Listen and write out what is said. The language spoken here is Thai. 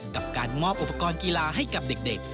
กับการมอบอุปกรณ์กีฬาให้กับเด็ก